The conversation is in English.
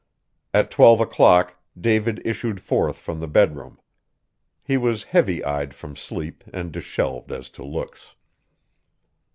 At twelve o'clock, David issued forth from the bedroom. He was heavy eyed from sleep and dishevelled as to looks.